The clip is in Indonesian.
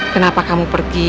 kenapa kamu pergi